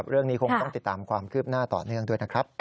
เรื่องนี้คงต้องติดตามความคืบหน้าต่อเนื่องด้วยนะครับ